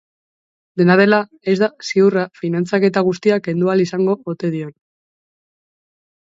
Dena dela, ez da ziurra finantzaketa guztia kendu ahal izango ote dion.